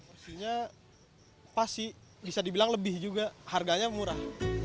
maksudnya pasti bisa dibilang lebih juga harganya murah